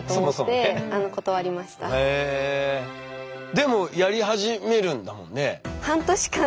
でもやり始めるんだもんね。